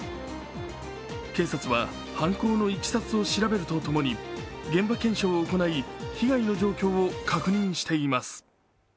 警察は犯行のいきさつを調べると共に被害の状況を確認しています。